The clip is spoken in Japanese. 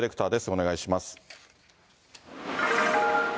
お願いします。